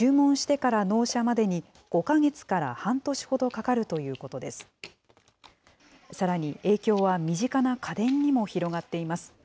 さらに影響は身近な家電にも広がっています。